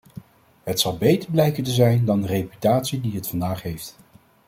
Het zal beter blijken te zijn dan de reputatie die het vandaag heeft.